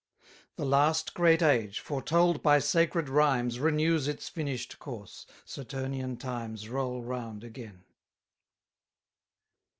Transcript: "The last great age, foretold by sacred rhymes, Renews its finish'd course; Saturnian times Roll round again."